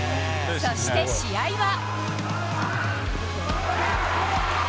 そして試合は。